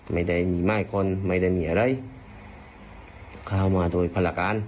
ไม่ได้มีม่ายคนไม่ได้มีอะไรเข้ามาโดยภารการ